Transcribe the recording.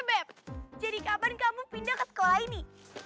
bep jadi kapan kamu pindah ke sekolah ini